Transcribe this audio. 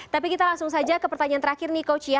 tapi kita langsung saja ke pertanyaan terakhir nih coach ya